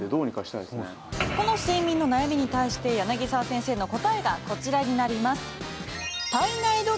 この睡眠の悩みに対して柳沢先生の答えがこちらになります。